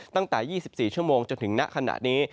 ตั้งแต่๒๔ชั่วโมงจนถึงณขณะนี้